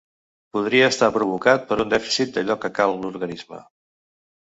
Podria estar provocat per un dèficit d'allò que cal a l'organisme.